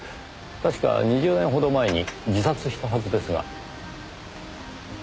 確か２０年ほど前に自殺したはずですが。